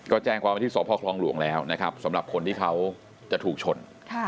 ก็แจ้งความว่าที่สพคลองหลวงแล้วนะครับสำหรับคนที่เขาจะถูกชน